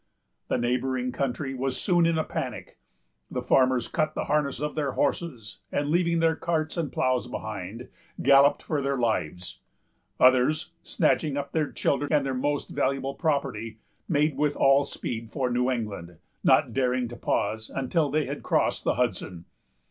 The neighboring country was soon in a panic. The farmers cut the harness of their horses, and, leaving their carts and ploughs behind, galloped for their lives. Others, snatching up their children and their most valuable property, made with all speed for New England, not daring to pause until they had crossed the Hudson.